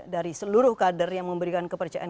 dari seluruh kader yang memberikan kepercayaan